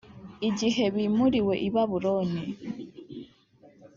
igihe bimuriwe i Babuloni.